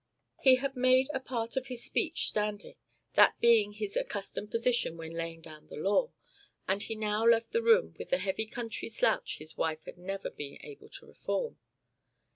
He had made a part of his speech standing, that being his accustomed position when laying down the law, and he now left the room with the heavy country slouch his wife had never been able to reform.